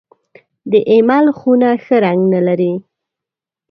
د اېمل خونه ښه رنګ نه لري .